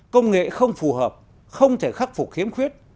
công nghệ không phù hợp không thể khắc phục khiếm khuyết